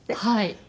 はい。